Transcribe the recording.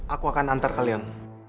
aku akan antar kalian